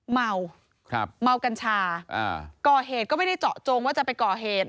เมาครับเมากัญชาก่อเหตุก็ไม่ได้เจาะจงว่าจะไปก่อเหตุ